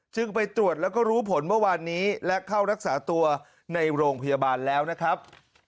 ไปตรวจแล้วก็รู้ผลเมื่อวานนี้และเข้ารักษาตัวในโรงพยาบาลแล้วนะครับ